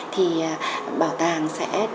thì bảo tàng sẽ trở nên một cơ sở đào tạo